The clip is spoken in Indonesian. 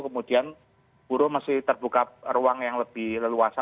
kemudian buruh mesti terbuka ruang yang lebih leluasa